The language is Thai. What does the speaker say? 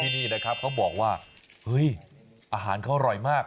นี่นะครับเขาบอกว่าเฮ้ยอาหารเขาอร่อยมาก